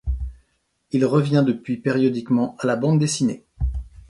Il revient depuis périodiquement à la bande dessinée.